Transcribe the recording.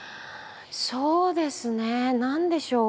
そうですね何でしょう？